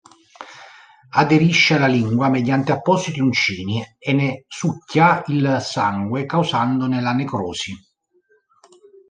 Aderisce alla lingua mediante appositi uncini e ne succhia il sangue causandone la necrosi.